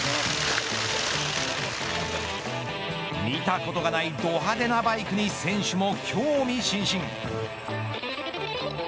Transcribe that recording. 見たことがないど派手なバイクに選手も興味津々。